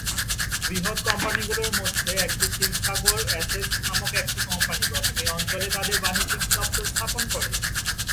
বৃহৎ কোম্পানিগুলির মধ্যে শিবসাগর এস্টেট নামক একটি কোম্পানি প্রথম এই অঞ্চলে তাদের বাণিজ্যিক দপ্তর স্থাপন করে।